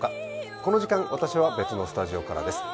この時間、私は別のスタジオからです。